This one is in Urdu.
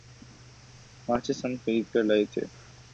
ماچس ہم خرید کر لائے تھے ۔